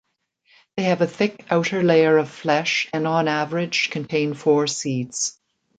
They have a thick outer layer of flesh and on average contain four seeds.